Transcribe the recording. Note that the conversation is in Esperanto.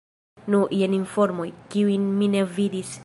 Nu, jen informoj, kiujn mi ne vidis.